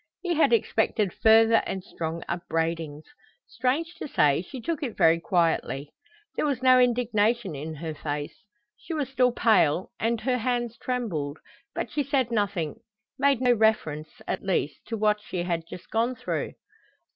He had expected further and strong upbraidings. Strange to say, she took it very quietly. There was no indignation in her face. She was still pale, and her hands trembled, but she said nothing, made no reference, at least, to what she had just gone through.